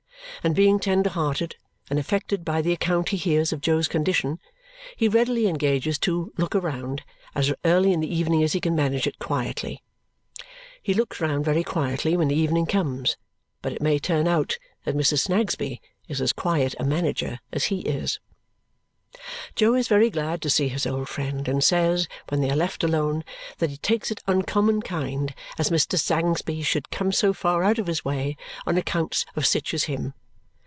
And being tender hearted and affected by the account he hears of Jo's condition, he readily engages to "look round" as early in the evening as he can manage it quietly. He looks round very quietly when the evening comes, but it may turn out that Mrs. Snagsby is as quiet a manager as he. Jo is very glad to see his old friend and says, when they are left alone, that he takes it uncommon kind as Mr. Sangsby should come so far out of his way on accounts of sich as him.